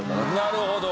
なるほど。